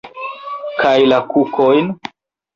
Kaj la kukojn?